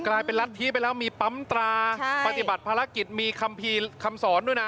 กลายเป็นรัฐธิไปแล้วมีปั๊มตราปฏิบัติภารกิจมีคัมภีร์คำสอนด้วยนะ